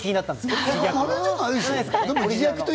マネじゃないでしょ？